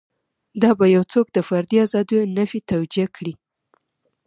دا به یو څوک د فردي ازادیو نفي توجیه کړي.